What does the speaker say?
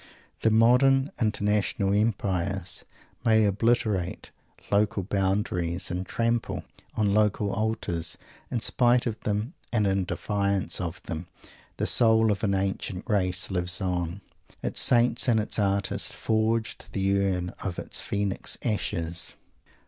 The modern international empires may obliterate local boundaries and trample on local altars. In spite of them, and in defiance of them, the soul of an ancient race lives on, its saints and its artists forging the urn of its Phoenix ashes!